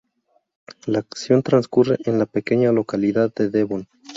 La acción transcurre en la pequeña localidad de Devon.